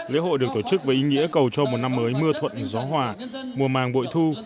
lễ hội được tổ chức với ý nghĩa cầu cho một năm mới mưa thuận gió hòa mùa màng bội thu